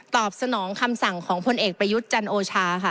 สนองคำสั่งของพลเอกประยุทธ์จันโอชาค่ะ